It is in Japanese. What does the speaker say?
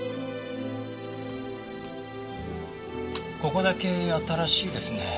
ここだけ新しいですね。